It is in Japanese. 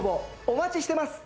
お待ちしてます